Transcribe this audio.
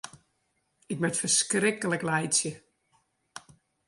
Ik moat ferskriklik laitsje.